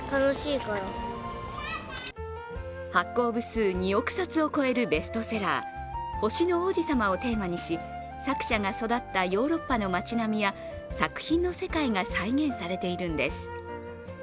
発行部数２億冊を超えるベストセラー「星の王子さま」をテーマにし作者が育ったヨーロッパの町並みや作品の世界が再現されているんです。